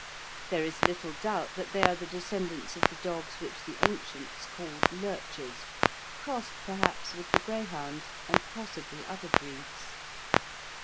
There is little doubt that they are the descendants of the dogs which the ancients called lurchers, crossed, perhaps, with the greyhound, and possibly other breeds.